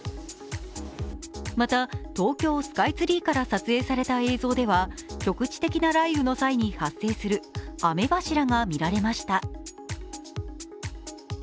また東京スカイツリーから撮影された映像では局地的な雷雨の際に発生する雨柱が見られました。